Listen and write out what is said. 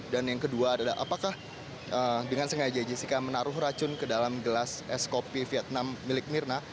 dan yang kedua adalah apakah dengan sengaja jessica menaruh racun ke dalam gelas es kopi vietnam milik mirna